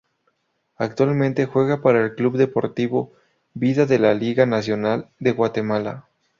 Actualmente juega para el Club Deportivo Vida de la Liga Nacional de Guatemala.